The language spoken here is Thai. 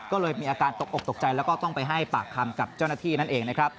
ก็เลยมีอาการตกอกตกใจแล้วก็ต้องไปให้ปากคำกับเจ้าหน้าที่นั่นเองนะครับ